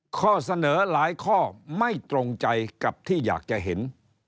ข้อเสนอหลายข้อไม่ตรงใจกับที่อยากจะเห็น